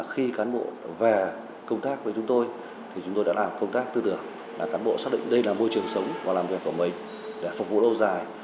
khi cán bộ về công tác với chúng tôi thì chúng tôi đã làm công tác tư tưởng là cán bộ xác định đây là môi trường sống và làm việc của mình để phục vụ lâu dài